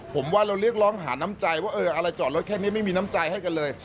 ผมว่าเราเรียกร้องหาน้ำใจว่าอะไรจอดรถแค่นี้ไม่มีน้ำใจให้กันเลย